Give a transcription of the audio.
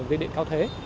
dưới điện cao thế